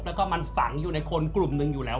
แล้วก็มันฝังอยู่ในคนกลุ่มหนึ่งอยู่แล้ว